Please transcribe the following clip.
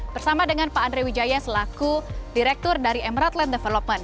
bersama dengan pak andre wijaya selaku direktur dari emerald land development